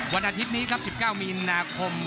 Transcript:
วันอาทิตย์นี้ครับ๑๙มีนาคม